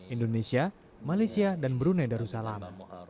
indonesia malaysia dan brunei darussalam